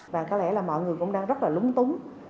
và có lẽ là mọi người cũng đang rất là lúng túng